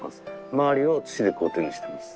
周りを土でコーティングしてます。